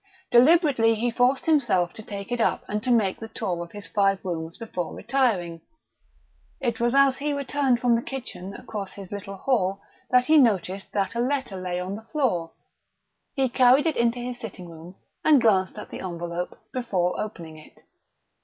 Deliberately he forced himself to take it up and to make the tour of his five rooms before retiring. It was as he returned from the kitchen across his little hall that he noticed that a letter lay on the floor. He carried it into his sitting room, and glanced at the envelope before opening it.